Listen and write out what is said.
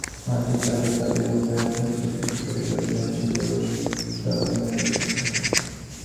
মানুষের স্বাভাবিক কাজকর্ম ব্যাহত হচ্ছে, বিশেষ করে গরিব মানুষের দুর্ভোগ চরমে পৌঁছেছে।